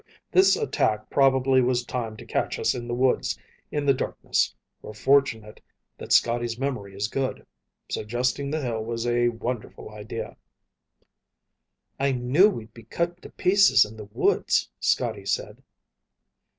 This attack probably was timed to catch us in the woods in the darkness. We're fortunate that Scotty's memory is good. Suggesting the hill was a wonderful idea." "I knew we'd be cut to pieces in the woods," Scotty said.